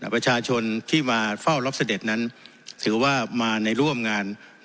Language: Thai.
ประชาชนที่มาเฝ้ารับเสด็จนั้นถือว่ามาในร่วมงาน